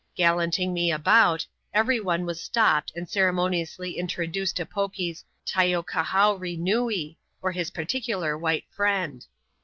Gallanting me about, every one was stopped and ceremoniously introduced to Foky's tayo kar bowree nuee," or his particular white friend.